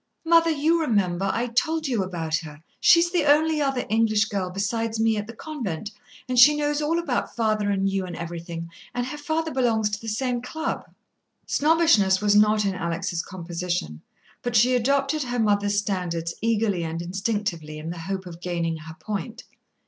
"Mother, you remember I told you about her. She is the only other English girl besides me at the convent, and she knows all about father and you and everything, and her father belongs to the same Club " Snobbishness was not in Alex' composition, but she adopted her mother's standards eagerly and instinctively, in the hope of gaining her point.